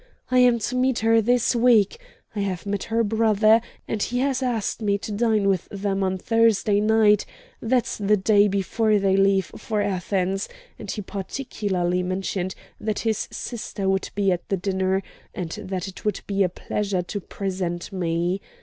I am to meet her this week. I have met her brother, and he has asked me to dine with them on Thursday night; that's the day before they leave for Athens; and he particularly mentioned that his sisters would be at the dinner, and that it would be a pleasure to present me.